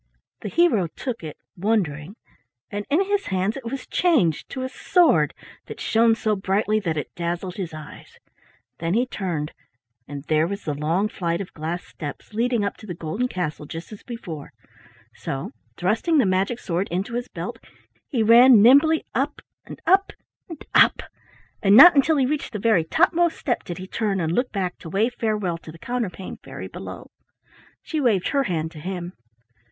The hero took it wondering, and in his hands it was changed to a sword that shone so brightly that it dazzled his eyes. Then he turned, and there was the long flight of glass steps leading up to the golden castle just as before; so thrusting the magic sword into his belt, he ran nimbly up and up and up, and not until he reached the very topmost step did he turn and look back to wave farewell to the Counterpane Fairy below. She waved her hand to him.